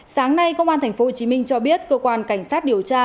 sáng nay công an tp hcm cho biết cơ quan cảnh sát điều tra